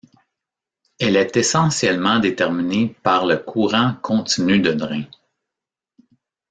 Elle est essentiellement déterminée par le courant continu de drain.